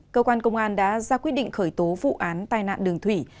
cơ quan công an đã ra quyết định khởi tố vụ án tai nạn đường thủy